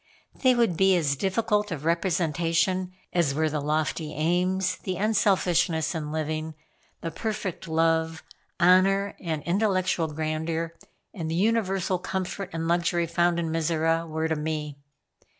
They would be as difficult of representation as were the lofty aims, the unselfishness in living, the perfect love, honor and intellectual grandeur, and the universal comfort and luxury found in Mizora, were to me.